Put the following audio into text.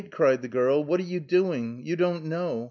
cried the girl. "What are you doing You don't know.